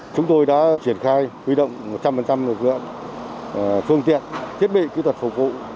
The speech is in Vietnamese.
chúng tôi đã triển khai quy động một trăm linh lực lượng phương tiện thiết bị kỹ thuật phục vụ